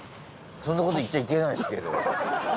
そんなこと言っちゃいけないんすけど。